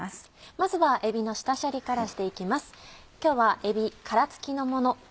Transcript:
まずはえびの下処理からして行きます。